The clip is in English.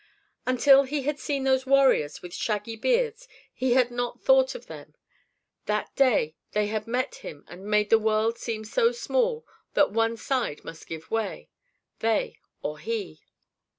Until he had seen those warriors with shaggy beards he had not thought of them. That day they had met him and made the world seem so small that one side must give way, they or he.